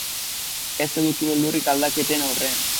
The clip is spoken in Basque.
Ez eduki beldurrik aldaketen aurrean.